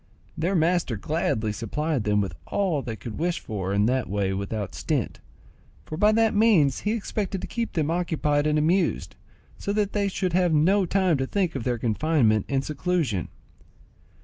Their master gladly supplied them with all they could wish for in that way without stint, for by that means he expected to keep them occupied and amused, so that they should have no time to think of their confinement and seclusion.